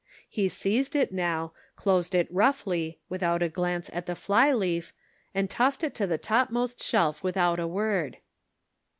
Pie seized it now, closed it roughly, without a glance at the fly leaf, and tossed it to the topmost shelf without a word.